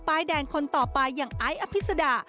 ป้ายแดงคนต่อไปอย่างไออภิษดา